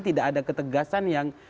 tidak ada ketegasan yang